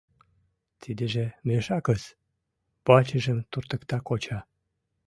— Тидыже мешакыс... — вачыжым туртыкта коча.